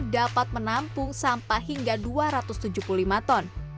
dapat menampung sampah hingga dua ratus tujuh puluh lima ton